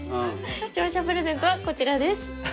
視聴者プレゼントはこちらです。